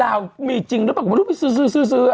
ดาวมีจริงแล้วบางคนไม่รู้ไปซื้อซื้ออะ